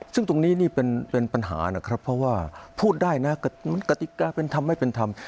ซึ่งตรงนี้นี่เป็นปัญหานะครับเพราะว่าพูดได้นะกติกาเป็นธรรมไม่เป็นธรรม